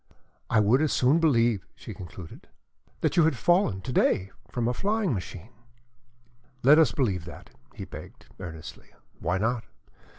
I would as soon believe," she concluded, "that you had fallen, to day from a flying machine." "Let us believe that," he begged, earnestly. "Why not?